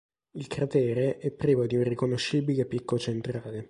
Il cratere è privo di un riconoscibile picco centrale.